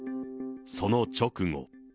その直後。